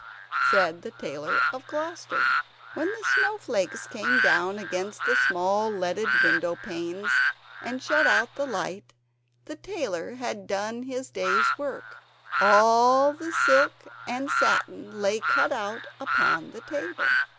said the Tailor of Gloucester. When the snow flakes came down against the small leaded window panes and shut out the light, the tailor had done his day's work; all the silk and satin lay cut out upon the table.